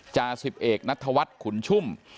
จาสิบเอกนัทวัฒน์ขุนชุ่ม